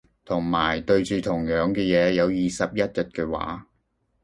同埋對住同樣嘅嘢有二十一日嘅話